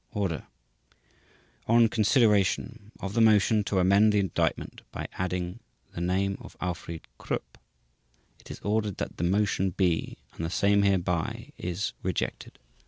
ORDER ON CONSIDERATION of the motion to amend the indictment by adding the name of Alfried Krupp; IT IS ORDERED that the motion be, and the same hereby is, rejected.